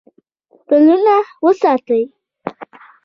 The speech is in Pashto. پلونه وساتئ